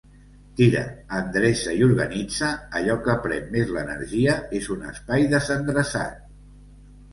Tira, endreça i organitza, allò que pren més l'energia és un espai desendreçat.